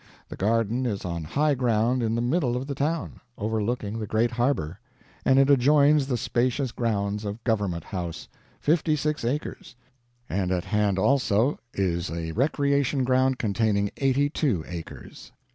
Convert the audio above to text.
The garden is on high ground in the middle of the town, overlooking the great harbor, and it adjoins the spacious grounds of Government House fifty six acres; and at hand also, is a recreation ground containing eighty two acres.